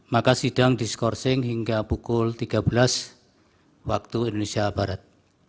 maka sidang diskorsing hingga pukul tiga belas waktu indonesia barat